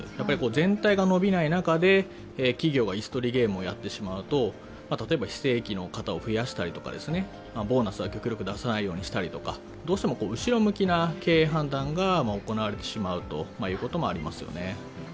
全体が伸びない中で企業が椅子取りゲームをやってしまうと例えば、非正規の方を増やしたりとかボーナスは極力出さないようにしたりとかどうしても後ろ向きな経営判断が行われてしまうということがあります。